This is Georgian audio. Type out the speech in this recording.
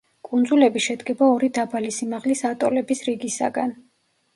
კუნძულები შედგება ორი დაბალი სიმაღლის ატოლების რიგისაგან.